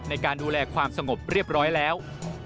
ในการดูแลความสงบเรียบร้อยแล้ว